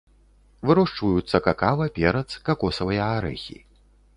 Вырошчваюцца какава, перац, какосавыя арэхі.